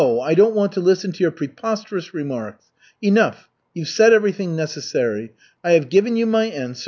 I don't want to listen to your preposterous remarks. Enough! You've said everything necessary. I have given you my answer.